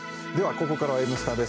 ここからは「Ｎスタ」です。